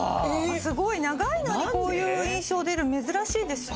すごい！長いのにこういう印象出るの珍しいです。